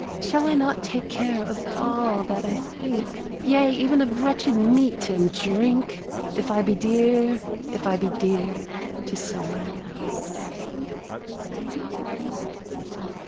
Shall I not take care of all that I think, Yea ev'n of wretched meat and drink, If I be dear, If I be dear to some one else.